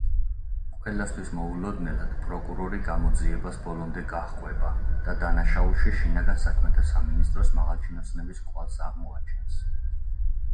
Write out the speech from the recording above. ყველასთვის მოულოდნელად, პროკურორი გამოძიებას ბოლომდე გაჰყვება და დანაშაულში შინაგან საქმეთა სამინისტროს მაღალჩინოსნების კვალს აღმოაჩენს.